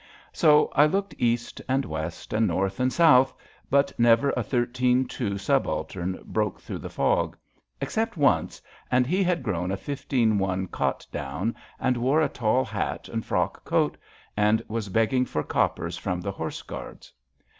So I looked east and west, and north and south, but never a thirteen two subaltern broke through the fog; ex cept once — and he had grown a fifteen one cot down, and wore a tall hat and frock coat, and was begging for coppers from the Horse Guards.